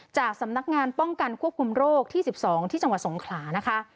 จากสำนักงานป้องกันควบคุมโรคที่๑๒ที่จังหวัดสงขลานะคะ